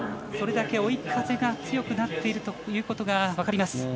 それだけ、追い風が強くなっているということが分かります。